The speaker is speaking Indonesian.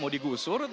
mau digusur itu